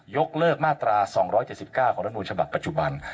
ยกเลิกมาตรา๒๗๙ของรัฐมนูลฉบับปัจจุบัน